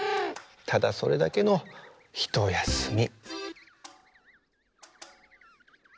ただそれだけのひとやすみ。